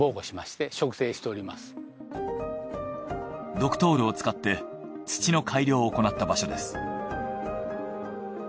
ドクトールを使って土の改良を行った場所です。